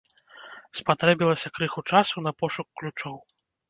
Спатрэбілася крыху часу на пошук ключоў.